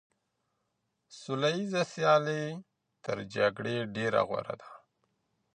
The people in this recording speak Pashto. سوله ييزه سيالي تر جګړې ډېره غوره ده.